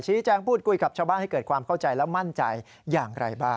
แจ้งพูดคุยกับชาวบ้านให้เกิดความเข้าใจและมั่นใจอย่างไรบ้าง